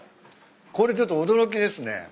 これちょっと驚きですね。